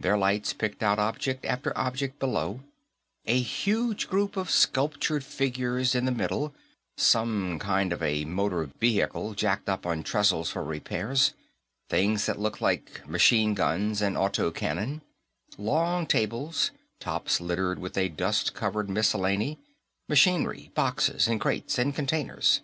Their lights picked out object after object below a huge group of sculptured figures in the middle; some kind of a motor vehicle jacked up on trestles for repairs; things that looked like machine guns and auto cannon; long tables, tops littered with a dust covered miscellany; machinery; boxes and crates and containers.